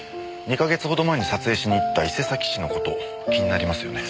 ２か月ほど前に撮影しに行った伊勢崎市の事気になりますよね。